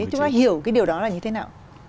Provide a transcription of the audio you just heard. chúng ta hiểu điều đó là như thế nào